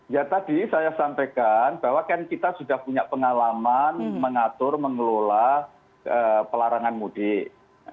ya tadi saya sampaikan bahwa kan kita sudah punya pengalaman mengatur mengelola pelarangan mudik